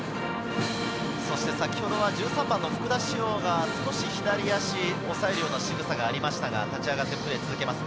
１３番の福田師王が少し左足を押さえるようなしぐさがありましたが、立ち上がってプレーを続けます。